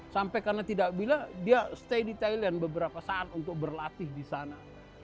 sampai karena tidak bilang dia stay di thailand beberapa saat untuk berlatih di sana